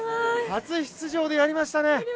初出場でやりましたね。